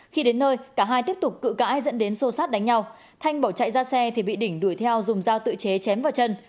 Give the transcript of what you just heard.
khi đến nơi cả hai tiếp tục cự cãi dẫn đến sô sát đánh nhau thanh bỏ chạy ra xe thì bị đỉnh đuổi theo dùng dao tự chế chém vào chân